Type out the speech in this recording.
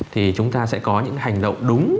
thì chúng ta sẽ có những hành động đúng